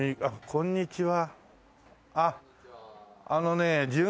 こんにちは。